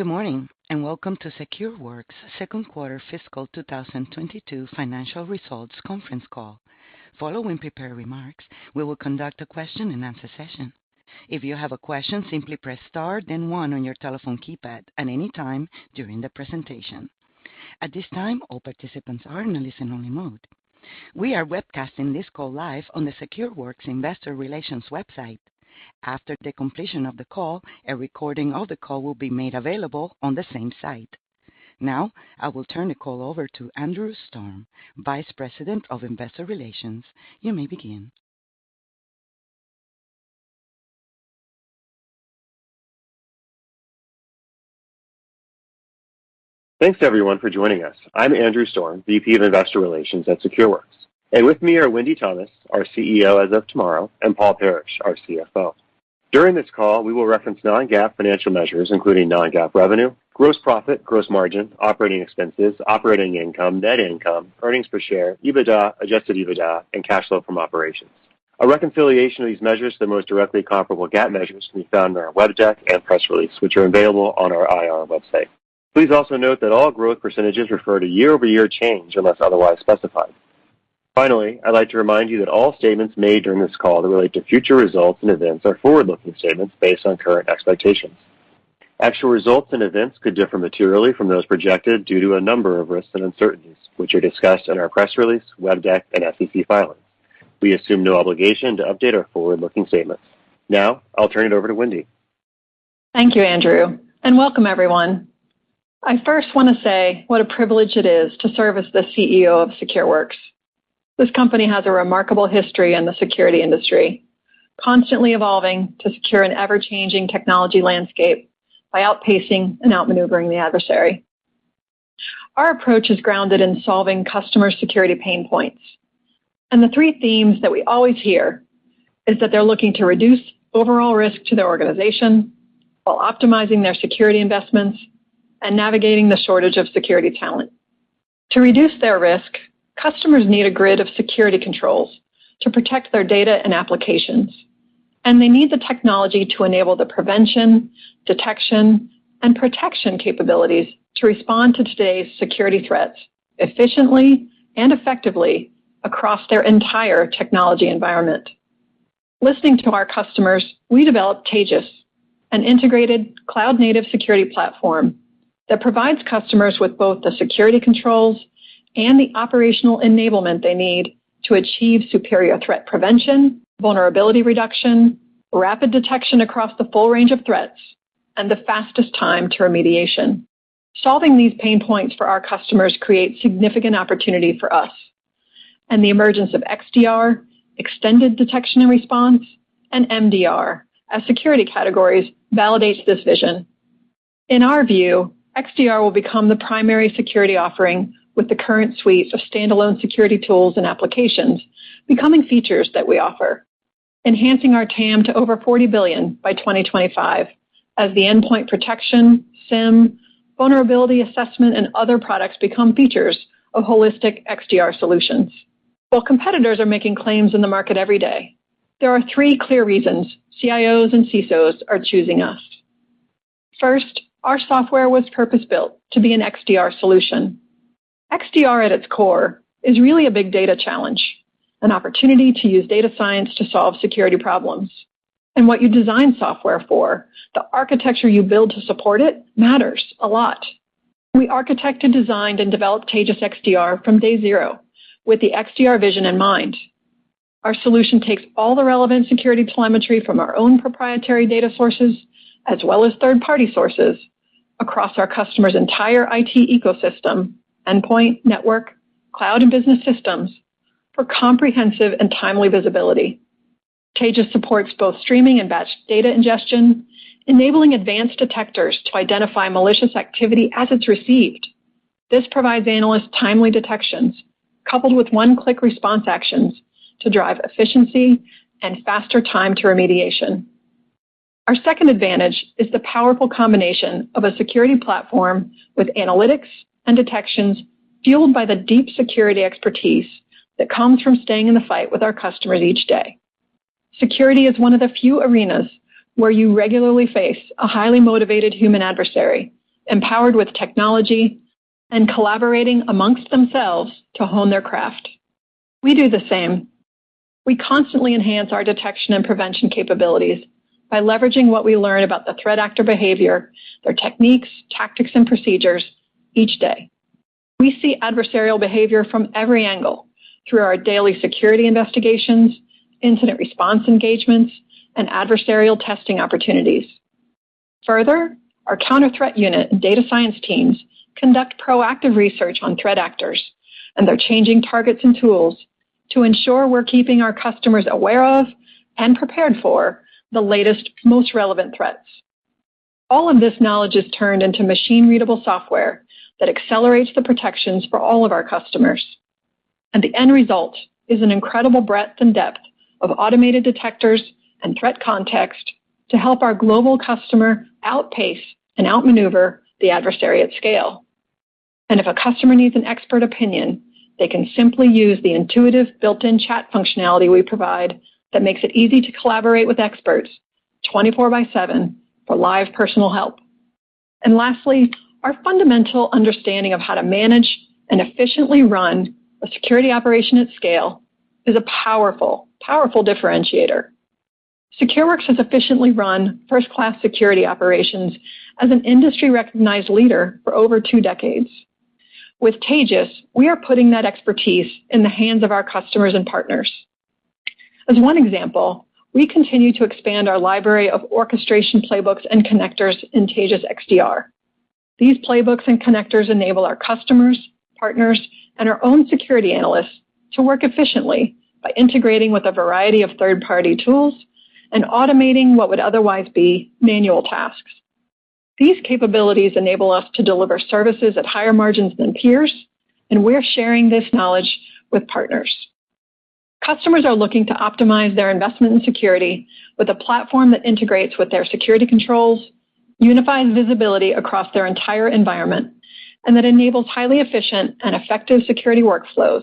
Good morning, welcome to SecureWorks' second quarter fiscal 2022 financial results conference call. Following prepared remarks, we will conduct a question-and-answer session. If you have a question, simply press star then one on your telephone keypad at any time during the presentation. At this time, all participants are in a listen-only mode. We are webcasting this call live on the SecureWorks investor relations website. After the completion of the call, a recording of the call will be made available on the same site. Now, I will turn the call over to Andrew Storm, Vice President of Investor Relations. You may begin. Thanks, everyone, for joining us. I'm Andrew Storm, VP of Investor Relations at SecureWorks. With me are Wendy Thomas, our CEO as of tomorrow, and Paul Parrish, our CFO. During this call, we will reference non-GAAP financial measures, including non-GAAP revenue, gross profit, gross margin, operating expenses, operating income, net income, earnings per share, EBITDA, adjusted EBITDA, and cash flow from operations. A reconciliation of these measures to the most directly comparable GAAP measures can be found in our web deck and press release, which are available on our IR website. Please also note that all growth percentages refer to year-over-year change unless otherwise specified. Finally, I'd like to remind you that all statements made during this call that relate to future results and events are forward-looking statements based on current expectations. Actual results and events could differ materially from those projected due to a number of risks and uncertainties, which are discussed in our press release, web deck, and SEC filings. We assume no obligation to update our forward-looking statements. Now, I'll turn it over to Wendy. Thank you, Andrew, and welcome everyone. I first want to say what a privilege it is to serve as the CEO of SecureWorks. This company has a remarkable history in the security industry, constantly evolving to secure an ever-changing technology landscape by outpacing and outmaneuvering the adversary. Our approach is grounded in solving customer security pain points. The three themes that we always hear is that they're looking to reduce overall risk to their organization while optimizing their security investments and navigating the shortage of security talent. To reduce their risk, customers need a grid of security controls to protect their data and applications. They need the technology to enable the prevention, detection, and protection capabilities to respond to today's security threats efficiently and effectively across their entire technology environment. Listening to our customers, we developed Taegis, an integrated cloud-native security platform that provides customers with both the security controls and the operational enablement they need to achieve superior threat prevention, vulnerability reduction, rapid detection across the full range of threats, and the fastest time to remediation. Solving these pain points for our customers creates significant opportunity for us, and the emergence of XDR, extended detection and response, and MDR as security categories validates this vision. In our view, XDR will become the primary security offering with the current suite of standalone security tools and applications becoming features that we offer, enhancing our TAM to over $40 billion by 2025 as the endpoint protection, SIEM, vulnerability assessment, and other products become features of holistic XDR solutions. While competitors are making claims in the market every day, there are three clear reasons CIOs and CISOs are choosing us. First, our software was purpose-built to be an XDR solution. XDR at its core is really a big data challenge, an opportunity to use data science to solve security problems. What you design software for, the architecture you build to support it matters a lot. We architected, designed, and developed Taegis XDR from day zero with the XDR vision in mind. Our solution takes all the relevant security telemetry from our own proprietary data sources, as well as third-party sources across our customers' entire IT ecosystem, endpoint, network, cloud, and business systems for comprehensive and timely visibility. Taegis supports both streaming and batch data ingestion, enabling advanced detectors to identify malicious activity as it's received. This provides analysts timely detections coupled with one-click response actions to drive efficiency and faster time to remediation. Our second advantage is the powerful combination of a security platform with analytics and detections fueled by the deep security expertise that comes from staying in the fight with our customers each day. Security is one of the few arenas where you regularly face a highly motivated human adversary, empowered with technology and collaborating amongst themselves to hone their craft. We do the same. We constantly enhance our detection and prevention capabilities by leveraging what we learn about the threat actor behavior, their techniques, tactics, and procedures each day. We see adversarial behavior from every angle through our daily security investigations, incident response engagements, and adversarial testing opportunities. Further, our Counter Threat Unit and data science teams conduct proactive research on threat actors and their changing targets and tools to ensure we're keeping our customers aware of and prepared for the latest, most relevant threats. All of this knowledge is turned into machine-readable software that accelerates the protections for all of our customers. The end result is an incredible breadth and depth of automated detectors and threat context to help our global customer outpace and outmaneuver the adversary at scale. If a customer needs an expert opinion, they can simply use the intuitive built-in chat functionality we provide that makes it easy to collaborate with experts 24 by seven for live personal help. Lastly, our fundamental understanding of how to manage and efficiently run a security operation at scale is a powerful differentiator. SecureWorks has efficiently run first-class security operations as an industry-recognized leader for over two decades. With Taegis, we are putting that expertise in the hands of our customers and partners. As one example, we continue to expand our library of orchestration playbooks and connectors in Taegis XDR. These playbooks and connectors enable our customers, partners, and our own security analysts to work efficiently by integrating with a variety of third-party tools and automating what would otherwise be manual tasks. These capabilities enable us to deliver services at higher margins than peers, and we're sharing this knowledge with partners. Customers are looking to optimize their investment in security with a platform that integrates with their security controls, unifies visibility across their entire environment, and that enables highly efficient and effective security workflows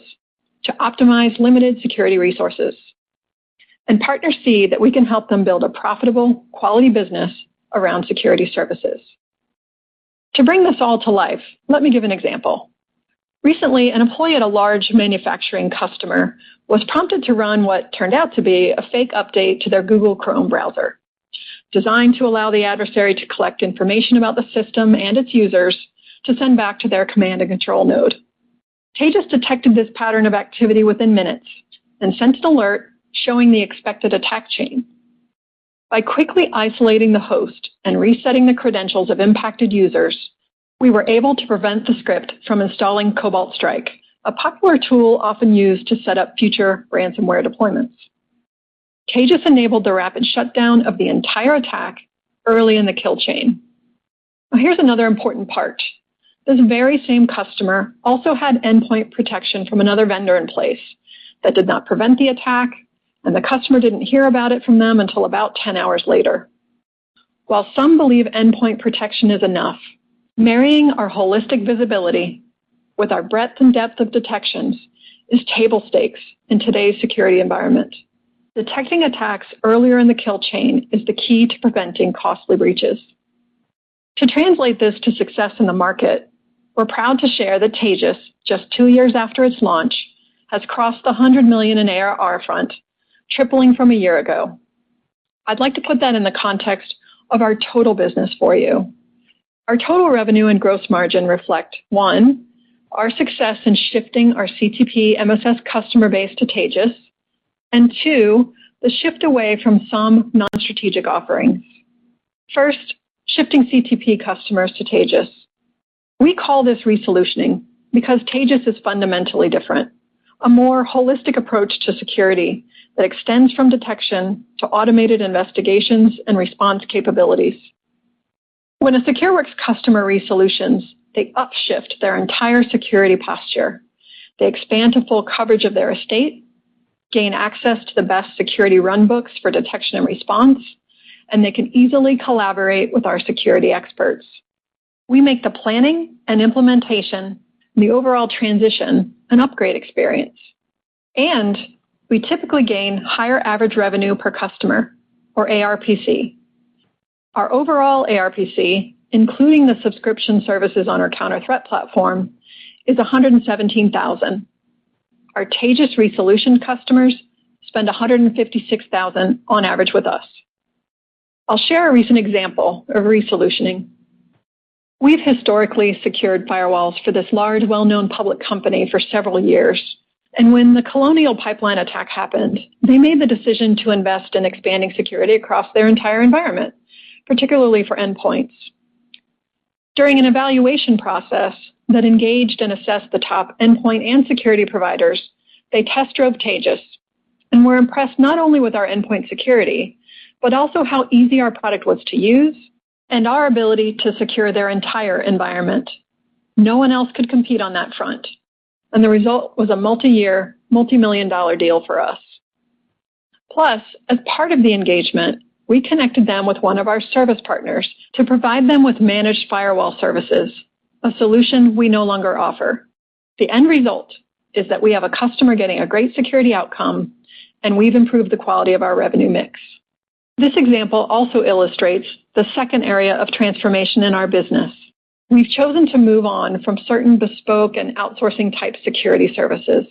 to optimize limited security resources. Partners see that we can help them build a profitable, quality business around security services. To bring this all to life, let me give an example. Recently, an employee at a large manufacturing customer was prompted to run what turned out to be a fake update to their Google Chrome browser, designed to allow the adversary to collect information about the system and its users to send back to their command and control node. Taegis detected this pattern of activity within minutes and sent an alert showing the expected attack chain. By quickly isolating the host and resetting the credentials of impacted users, we were able to prevent the script from installing Cobalt Strike, a popular tool often used to set up future ransomware deployments. Taegis enabled the rapid shutdown of the entire attack early in the kill chain. Here's another important part. This very same customer also had endpoint protection from another vendor in place that did not prevent the attack, and the customer didn't hear about it from them until about 10 hours later. While some believe endpoint protection is enough, marrying our holistic visibility with our breadth and depth of detections is table stakes in today's security environment. Detecting attacks earlier in the kill chain is the key to preventing costly breaches. To translate this to success in the market, we're proud to share that Taegis, just two years after its launch, has crossed $100 million in ARR front, tripling from a year ago. I'd like to put that in the context of our total business for you. Our total revenue and gross margin reflect, one, our success in shifting our CTP MSS customer base to Taegis, and two, the shift away from some non-strategic offerings. First, shifting CTP customers to Taegis. We call this resolutioning because Taegis is fundamentally different. A more holistic approach to security that extends from detection to automated investigations and response capabilities. When a SecureWorks customer resolution's, they upshift their entire security posture. They expand to full coverage of their estate, gain access to the best security runbooks for detection and response, and they can easily collaborate with our security experts. We make the planning and implementation and the overall transition an upgrade experience. We typically gain higher average revenue per customer, or ARPC. Our overall ARPC, including the subscription services on our Counter Threat Platform, is $117,000. Our Taegis resolution customers spend $156,000 on average with us. I'll share a recent example of resolutioning. We've historically secured firewalls for this large, well-known public company for several years. When the Colonial Pipeline attack happened, they made the decision to invest in expanding security across their entire environment, particularly for endpoints. During an evaluation process that engaged and assessed the top endpoint and security providers, they test drove Taegis and were impressed not only with our endpoint security, but also how easy our product was to use and our ability to secure their entire environment. No one else could compete on that front. The result was a multi-year, multi-million dollar deal for us. As part of the engagement, we connected them with one of our service partners to provide them with managed firewall services, a solution we no longer offer. The end result is that we have a customer getting a great security outcome. We've improved the quality of our revenue mix. This example also illustrates the second area of transformation in our business. We've chosen to move on from certain bespoke and outsourcing-type security services,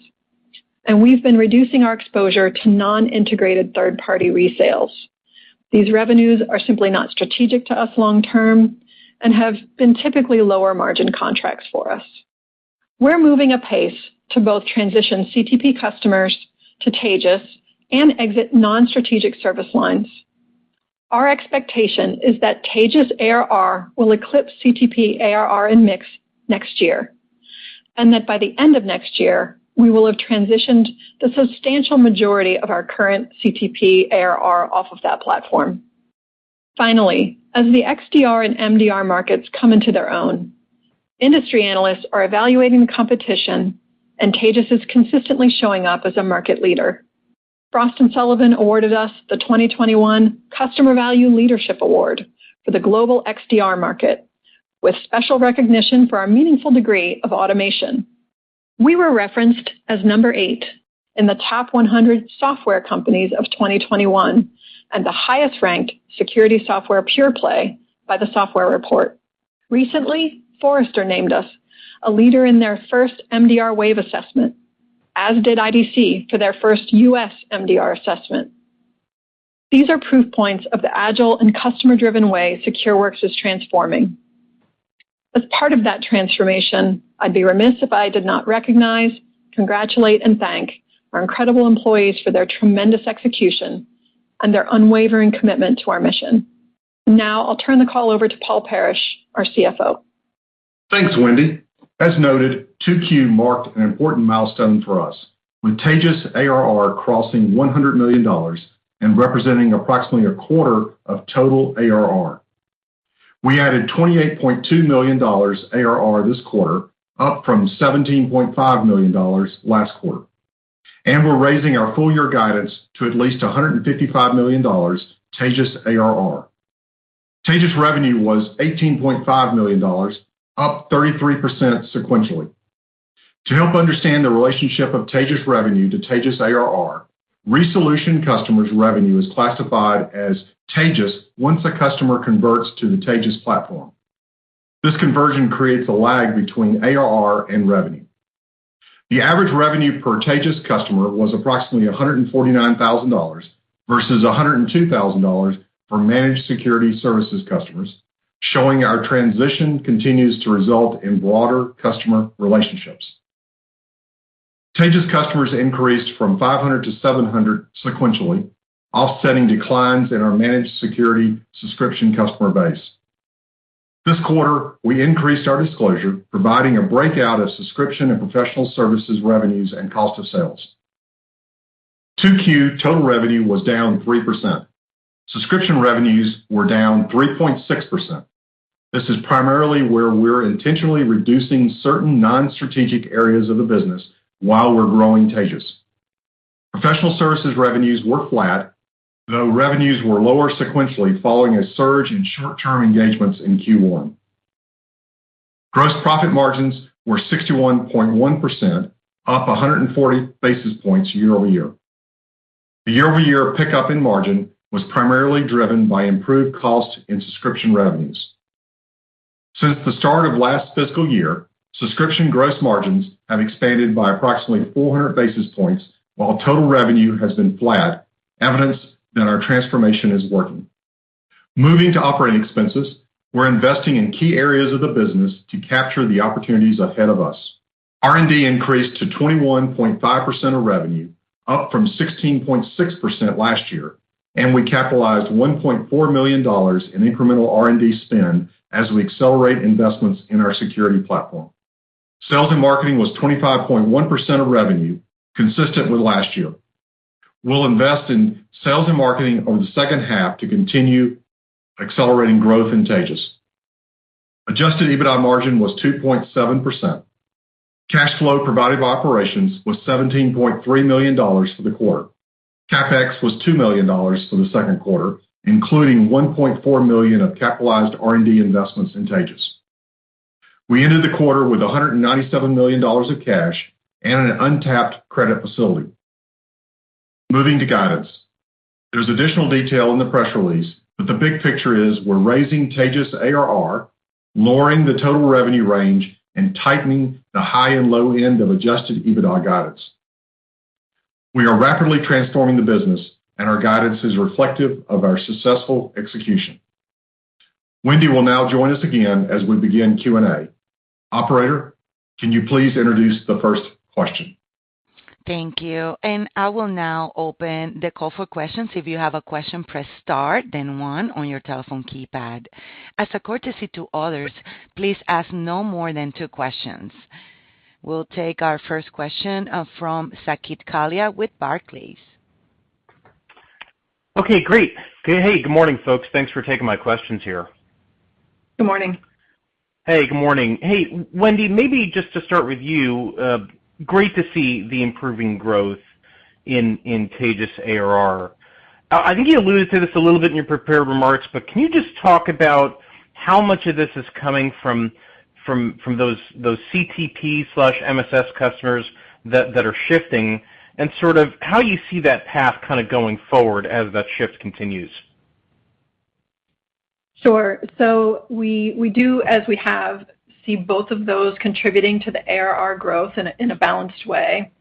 and we've been reducing our exposure to non-integrated third-party resales. These revenues are simply not strategic to us long term and have been typically lower margin contracts for us. We're moving apace to both transition CTP customers to Taegis and exit non-strategic service lines. Our expectation is that Taegis ARR will eclipse CTP ARR in mix next year, and that by the end of next year, we will have transitioned the substantial majority of our current CTP ARR off of that platform. Finally, as the XDR and MDR markets come into their own, industry analysts are evaluating the competition, and Taegis is consistently showing up as a market leader. Frost & Sullivan awarded us the 2021 Customer Value Leadership Award for the global XDR market, with special recognition for our meaningful degree of automation. We were referenced as number eight in the Top 100 Software Companies of 2021, and the highest-ranked security software pure play by The Software Report. Recently, Forrester named us a leader in their first MDR wave assessment, as did IDC for their first U.S. MDR assessment. These are proof points of the agile and customer-driven way SecureWorks is transforming. As part of that transformation, I'd be remiss if I did not recognize, congratulate, and thank our incredible employees for their tremendous execution and their unwavering commitment to our mission. Now I'll turn the call over to Paul Parrish, our CFO. Thanks, Wendy. As noted, 2Q marked an important milestone for us, with Taegis ARR crossing $100 million and representing approximately a quarter of total ARR. We added $28.2 million ARR this quarter, up from $17.5 million last quarter. We're raising our full year guidance to at least $155 million Taegis ARR. Taegis revenue was $18.5 million, up 33% sequentially. To help understand the relationship of Taegis revenue to Taegis ARR, ReSolution customers revenue is classified as Taegis once a customer converts to the Taegis platform. This conversion creates a lag between ARR and revenue. The average revenue per Taegis customer was approximately $149,000 versus $102,000 for Managed Security Services customers, showing our transition continues to result in broader customer relationships. Taegis customers increased from 500-700 sequentially, offsetting declines in our Managed Security Services customer base. This quarter, we increased our disclosure, providing a breakout of subscription and Professional Services revenues and cost of sales. 2Q total revenue was down 3%. Subscription revenues were down 3.6%. This is primarily where we're intentionally reducing certain non-strategic areas of the business while we're growing Taegis. Professional Services revenues were flat, though revenues were lower sequentially following a surge in short-term engagements in Q1. Gross profit margins were 61.1%, up 140 basis points year-over-year. The year-over-year pickup in margin was primarily driven by improved cost and subscription revenues. Since the start of last fiscal year, subscription gross margins have expanded by approximately 400 basis points while total revenue has been flat, evidence that our transformation is working. Moving to operating expenses, we're investing in key areas of the business to capture the opportunities ahead of us. R&D increased to 21.5% of revenue, up from 16.6% last year, and we capitalized $1.4 million in incremental R&D spend as we accelerate investments in our security platform. Sales and marketing was 25.1% of revenue, consistent with last year. We'll invest in sales and marketing over the second half to continue accelerating growth in Taegis. Adjusted EBITDA margin was 2.7%. Cash flow provided by operations was $17.3 million for the quarter. CapEx was $2 million for the second quarter, including $1.4 million of capitalized R&D investments in Taegis. We ended the quarter with $197 million of cash and an untapped credit facility. Moving to guidance. There's additional detail in the press release, the big picture is we're raising Taegis ARR, lowering the total revenue range, and tightening the high and low end of adjusted EBITDA guidance. We are rapidly transforming the business, and our guidance is reflective of our successful execution. Wendy will now join us again as we begin Q&A. Operator, can you please introduce the first question? Thank you. I will now open the call for questions. If you have a question, press star, then one on your telephone keypad. As a courtesy to others, please ask no more than two questions. We'll take our first question from Saket Kalia with Barclays. Great. Hey, good morning, folks. Thanks for taking my questions here. Good morning. Hey, good morning. Hey, Wendy, maybe just to start with you, great to see the improving growth in Taegis ARR. I think you alluded to this a little bit in your prepared remarks, can you just talk about how much of this is coming from those CTP/MSS customers that are shifting and sort of how you see that path kind of going forward as that shift continues? Sure. We do, as we have, see both of those contributing to the ARR growth in a balanced way.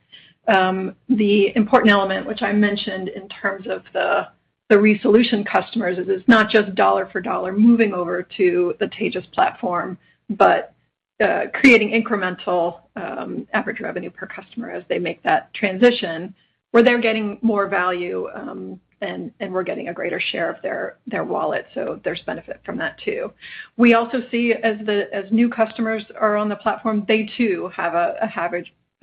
The important element, which I mentioned in terms of the ReSolution customers, is it's not just dollar for dollar moving over to the Taegis platform, but creating incremental average revenue per customer as they make that transition, where they're getting more value, and we're getting a greater share of their wallet. There's benefit from that, too. We also see as new customers are on the platform, they too have a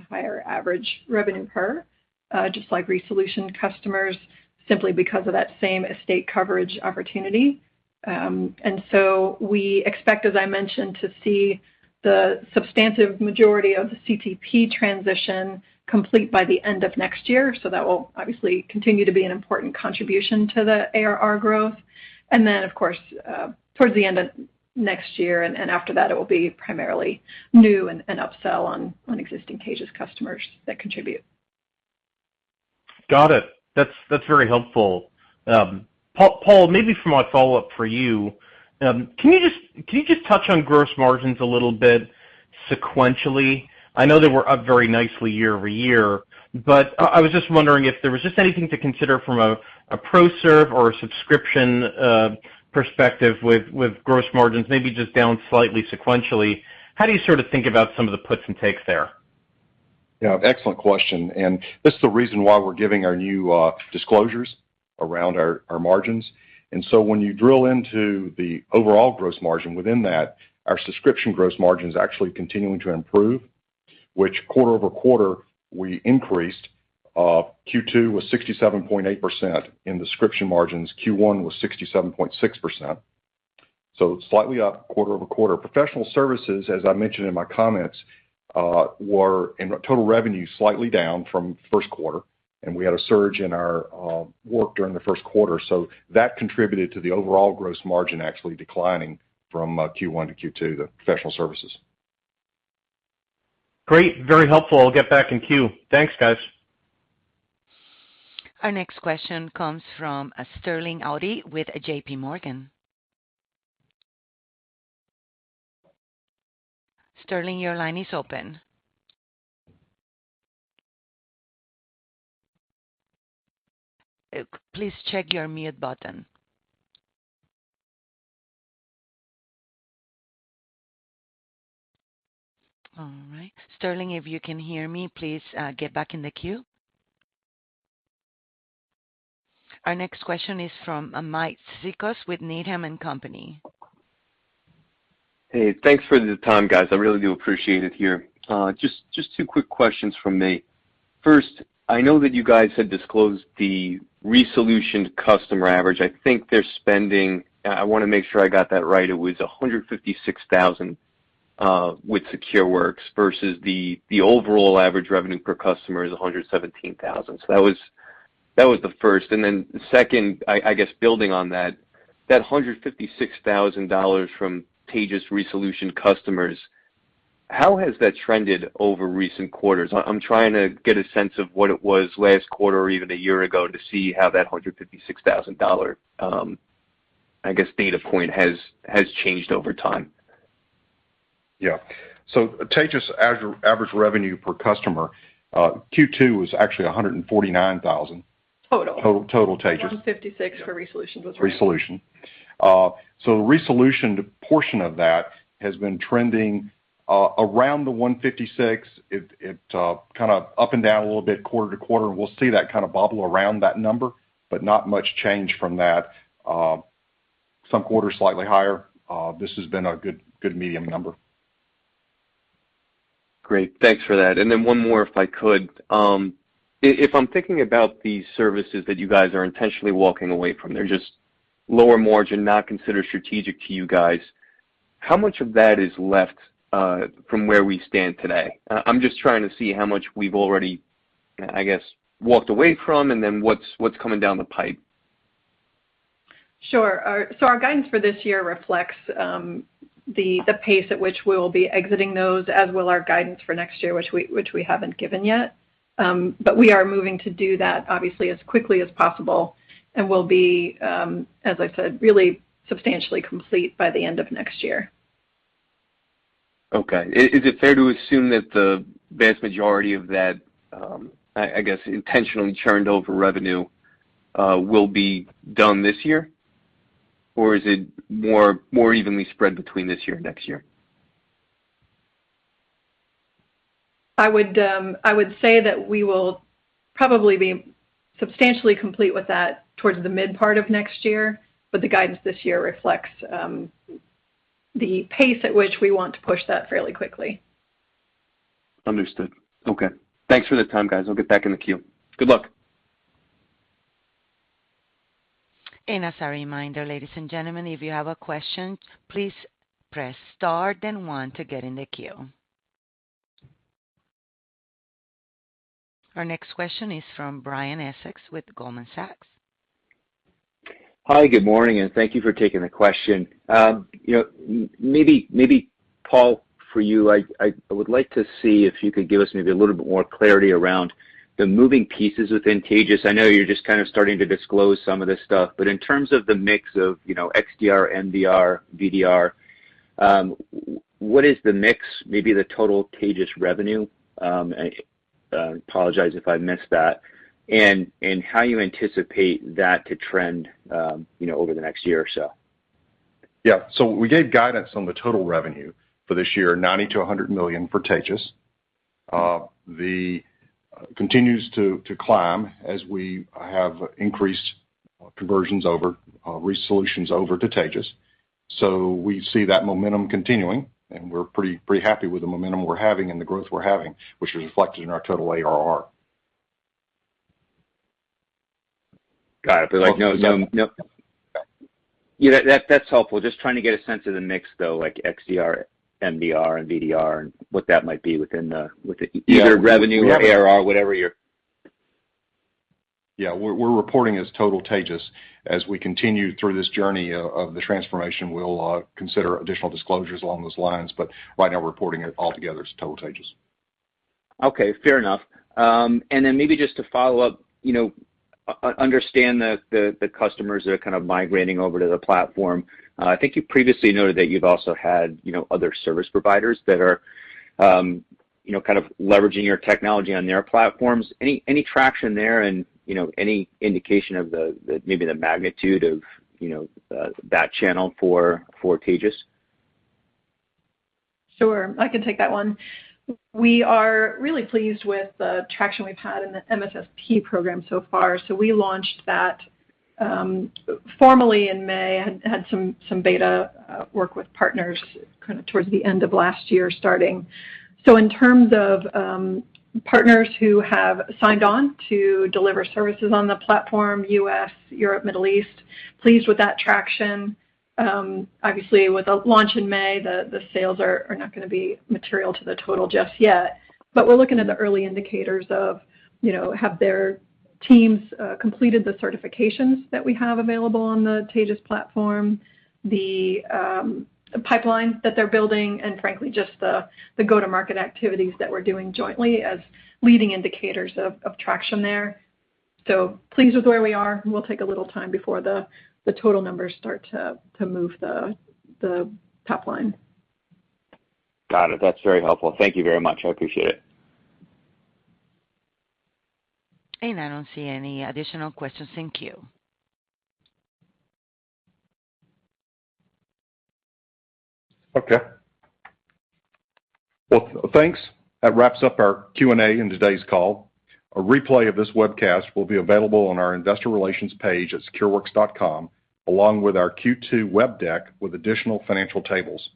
higher average revenue per, just like ReSolution customers, simply because of that same estate coverage opportunity. We expect, as I mentioned, to see the substantive majority of the CTP transition complete by the end of next year. That will obviously continue to be an important contribution to the ARR growth. Then, of course, towards the end of next year and after that, it will be primarily new and upsell on existing Taegis customers that contribute. Got it. That's very helpful. Paul, maybe for my follow-up for you, can you just touch on gross margins a little bit sequentially? I know they were up very nicely year-over-year, but I was just wondering if there was just anything to consider from a pro serve or a subscription perspective with gross margins, maybe just down slightly sequentially. How do you sort of think about some of the puts and takes there? Yeah, excellent question. This is the reason why we're giving our new disclosures around our margins. When you drill into the overall gross margin within that, our subscription gross margin is actually continuing to improve, which quarter-over-quarter we increased. Q2 was 67.8% in subscription margins. Q1 was 67.6%. Slightly up quarter-over-quarter. Professional services, as I mentioned in my comments, were in total revenue slightly down from first quarter, and we had a surge in our work during the first quarter. That contributed to the overall gross margin actually declining from Q1 to Q2, the professional services. Great. Very helpful. I'll get back in queue. Thanks, guys. Our next question comes from Sterling Auty with JPMorgan. Sterling, your line is open. Please check your mute button. All right. Sterling, if you can hear me, please get back in the queue. Our next question is from Mike Cikos with Needham & Company. Hey, thanks for the time, guys. I really do appreciate it here. Just two quick questions from me. First, I know that you guys had disclosed the resolution customer average. I think they're spending. I want to make sure I got that right. It was $156,000 with SecureWorks versus the overall average revenue per customer is $117,000. That was the first. Second, I guess building on that $156,000 from Taegis resolution customers, how has that trended over recent quarters? I'm trying to get a sense of what it was last quarter or even a year ago to see how that $156,000, I guess, data point has changed over time. Yeah. Taegis average revenue per customer, Q2 was actually $149,000. Total. Total Taegis. 156 for resolution was right. Resolution. The resolution portion of that has been trending around the 156. It's kind of up and down a little bit quarter to quarter. We'll see that kind of bobble around that number, but not much change from that. Some quarters slightly higher. This has been a good medium number. Great. Thanks for that. One more if I could. If I'm thinking about the services that you guys are intentionally walking away from, they're just lower margin, not considered strategic to you guys. How much of that is left from where we stand today? I'm just trying to see how much we've already, I guess, walked away from and then what's coming down the pipe. Sure. Our guidance for this year reflects the pace at which we will be exiting those, as will our guidance for next year, which we haven't given yet. We are moving to do that obviously as quickly as possible and will be, as I said, really substantially complete by the end of next year. Okay. Is it fair to assume that the vast majority of that, I guess, intentionally churned over revenue will be done this year? Or is it more evenly spread between this year and next year? I would say that we will probably be substantially complete with that towards the mid part of next year, but the guidance this year reflects the pace at which we want to push that fairly quickly. Understood. Okay. Thanks for the time, guys. I'll get back in the queue. Good luck. As a reminder, ladies and gentlemen, if you have a question, please press star then 1 to get in the queue. Our next question is from Brian Essex with Goldman Sachs. Hi, good morning, and thank you for taking the question. Maybe Paul, for you, I would like to see if you could give us maybe a little bit more clarity around the moving pieces within Taegis. I know you're just kind of starting to disclose some of this stuff, but in terms of the mix of XDR, MDR, VDR, what is the mix, maybe the total Taegis revenue? I apologize if I missed that. How you anticipate that to trend over the next year or so. We gave guidance on the total revenue for this year, $90 million-$100 million for Taegis. Continues to climb as we have increased conversions over, resolutions over to Taegis. We see that momentum continuing, and we're pretty happy with the momentum we're having and the growth we're having, which is reflected in our total ARR. Got it. No. That's helpful. Just trying to get a sense of the mix, though, like XDR, MDR and VDR. Yeah Either revenue or ARR, whatever your. We're reporting as total Taegis. As we continue through this journey of the transformation, we'll consider additional disclosures along those lines. Right now, we're reporting it all together as total Taegis. Okay. Fair enough. Maybe just to follow up, understand the customers that are kind of migrating over to the platform. I think you previously noted that you've also had other service providers that are leveraging your technology on their platforms. Any traction there, and any indication of maybe the magnitude of that channel for Taegis? Sure. I can take that one. We are really pleased with the traction we've had in the MSSP program so far. We launched that formally in May, and had some beta work with partners kind of towards the end of last year starting. In terms of partners who have signed on to deliver services on the platform, U.S., Europe, Middle East, pleased with that traction. Obviously, with a launch in May, the sales are not going to be material to the total just yet. We're looking at the early indicators of have their teams completed the certifications that we have available on the Taegis platform, the pipelines that they're building, and frankly, just the go-to-market activities that we're doing jointly as leading indicators of traction there. Pleased with where we are, and we'll take a little time before the total numbers start to move the top line. Got it. That's very helpful. Thank you very much. I appreciate it. I don't see any additional questions. Thank you. Okay. Well, thanks. That wraps up our Q&A in today's call. A replay of this webcast will be available on our investor relations page at secureworks.com, along with our Q2 web deck with additional financial tables.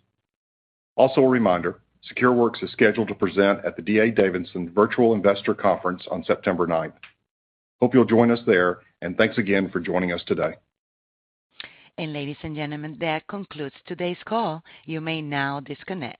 A reminder, SecureWorks is scheduled to present at the D.A. Davidson Virtual Investor Conference on September 9th. Hope you'll join us there, and thanks again for joining us today. Ladies and gentlemen, that concludes today's call. You may now disconnect.